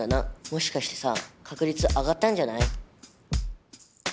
もしかしてさ確率上がったんじゃない？